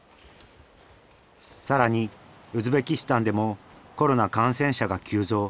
更にウズベキスタンでもコロナ感染者が急増。